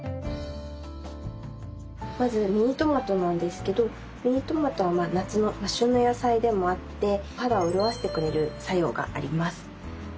まずミニトマトなんですけどミニトマトは夏の旬の野菜でもあって肌を潤してくれる作用があります。